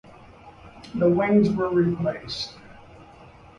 The wings were replaced.